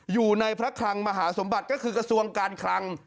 อยู่ในพระคลังมหาสมบัติก็คือกระทรวงการคลัง